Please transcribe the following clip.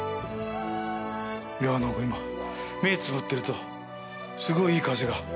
いや、なんか、今、目ぇつぶってると、すごいいい風が。